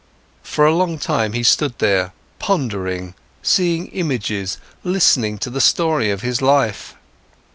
For a long time, he stood there, pondering, seeing images, listening to the story of his life.